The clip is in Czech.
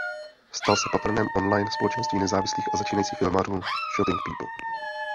Stal se patronem online společenství nezávislých a začínajících filmařů Shooting People.